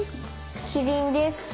きりんです。